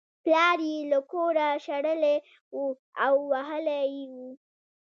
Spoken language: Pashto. پلار یې له کوره شړلی و او وهلی یې و